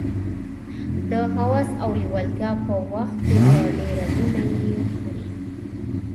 د هوس او لېوالتیا په وخت کې په ډېره مینه یې خوري.